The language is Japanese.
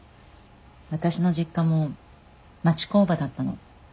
私の実家も町工場だったの。